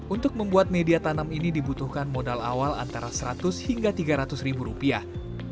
untuk membuat media tanam ini dibutuhkan modal awal antara seratus hingga tiga ratus ribu rupiah